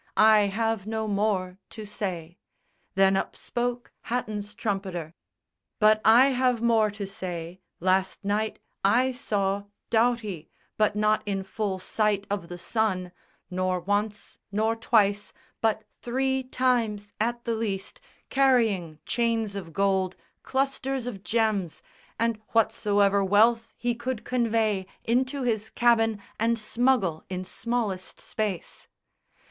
I have no more To say." Then up spoke Hatton's trumpeter: "But I have more to say. Last night I saw Doughty, but not in full sight of the sun, Nor once, nor twice, but three times at the least, Carrying chains of gold, clusters of gems, And whatsoever wealth he could convey Into his cabin and smuggle in smallest space."